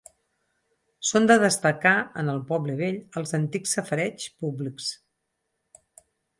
Són de destacar, en el poble vell, els antics safareigs públics.